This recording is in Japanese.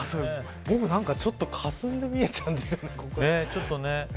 僕なんか、かすんで見えちゃうんですよね。